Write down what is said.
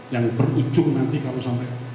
yang berujung nanti kalau sampai